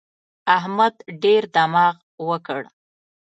احمد ډېر دماغ وکړ.